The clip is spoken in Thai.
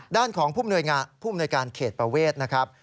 ด้านของภูมิหน่วยงานเขตประเวทนะครับ